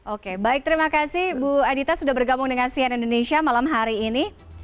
oke baik terima kasih bu adita sudah bergabung dengan cn indonesia malam hari ini